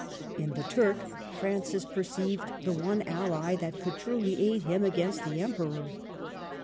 In the Turk Francis perceived the one ally that could truly aid him against the Emperor.